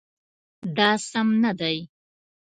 دا سم نه دی